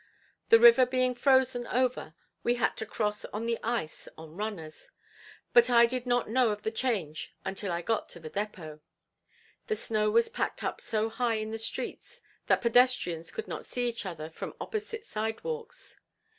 The river being frozen over we had to cross on the ice on runners, but I did not know of the change until I got to the depot. The snow was packed up so high in the streets that pedestrians could not see each other from opposite sidewalks.